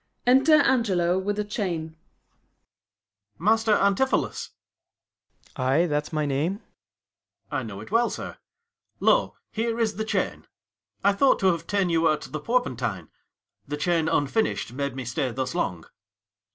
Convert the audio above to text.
Enter ANGELO with the chain. Ang. Master Antipholus, Ant. S. Ay, that's my name. Ang. I know it well, sir: lo, here is the chain. I thought to have ta'en you at the Porpentine: 165 The chain unfinish'd made me stay thus long.